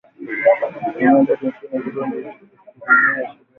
asilimia tatu nchini Burundi asilimia ishirni na tano Sudan Kusini na